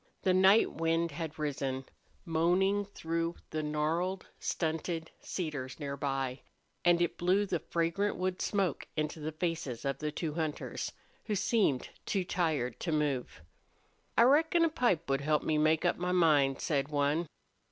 The night wind had risen, moaning through the gnarled, stunted cedars near by, and it blew the fragrant wood smoke into the faces of the two hunters, who seemed too tired to move. "I reckon a pipe would help me make up my mind," said one.